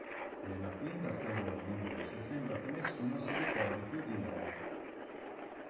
Nella quinta stagione invece sembra che nessuno si ricordi più di lei.